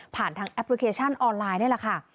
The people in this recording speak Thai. ทางแอปพลิเคชันออนไลน์นี่แหละค่ะ